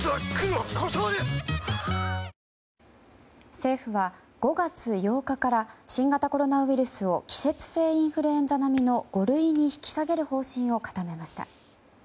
政府は５月８日から新型コロナウイルスを季節性インフルエンザ並みの五類に引き下げる方針を固めました。